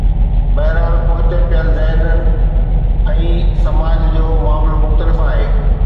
بهرحال پٺتي پيل ذهن ۽ سماج جو معاملو مختلف آهي.